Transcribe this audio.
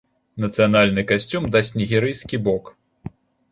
Нацыянальны касцюм дасць нігерыйскі бок.